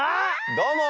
どうも。